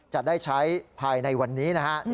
จะได้ใช้ภายในวันนี้นะฮะ